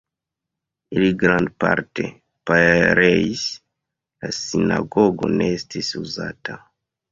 Ili grandparte pereis, la sinagogo ne estis uzata.